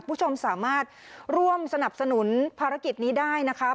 คุณผู้ชมสามารถร่วมสนับสนุนภารกิจนี้ได้นะคะ